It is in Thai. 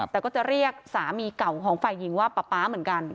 แต่ก็จะเรียกสามีเก่าของฝ่ายหญิงว่าป๊าป๊าเหมือนกัน